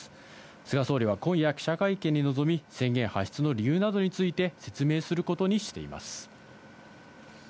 菅総理は今夜、記者会見に臨み、宣言発出の理由などについて説明することにしています。